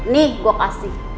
nih gua kasih